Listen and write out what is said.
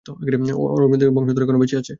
অরভান্দিলের বংশধর এখনও বেঁচে আছে।